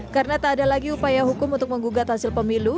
karena tak ada lagi upaya hukum untuk menggugat hasil pemilu